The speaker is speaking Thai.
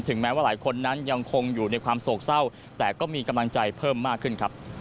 แม้ว่าหลายคนนั้นยังคงอยู่ในความโศกเศร้าแต่ก็มีกำลังใจเพิ่มมากขึ้นครับ